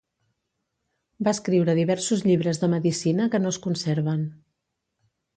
Va escriure diversos llibres de medicina que no es conserven.